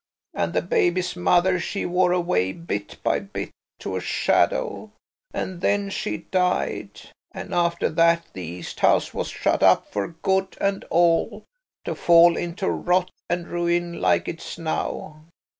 And the baby's mother, she wore away bit by bit, to a shadow, and then she died, and after that the East House was shut up for good and all, to fall into rot and ruin like it is now.